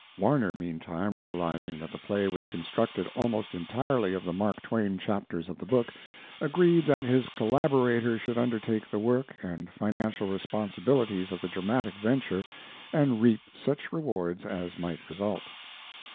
Warner, meantime, realizing that the play was constructed almost entirely of the Mark Twain chapters of the book, agreed that his collaborator should undertake the work and financial responsibilities of the dramatic venture and reap such rewards as might result.